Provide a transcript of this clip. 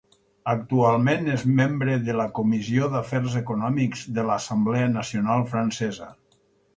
Actualment és membre de la Comissió d'Afers Econòmics de l'Assemblea Nacional Francesa.